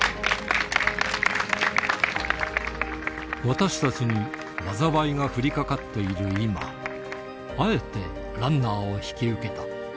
私たちに災いが降りかかっている今、あえてランナーを引き受けた。